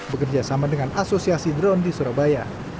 bekerja sama dengan asosiasi drone di surabaya